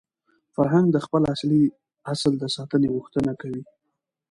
فرهنګ د خپل اصل د ساتني غوښتنه کوي.